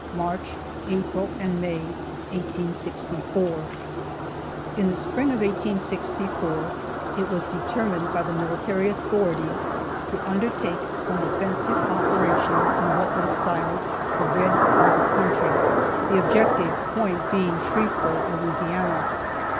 MARCH, APRIL AND MAY, 1864. In the spring of 1864 it was determined by the military authorities to undertake some offensive operations in what was styled the "Red River country," the objective point being Shreveport, Louisiana.